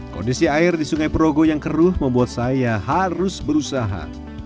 kondisi air di sungai perogo yang keruh membuat saya harus berusaha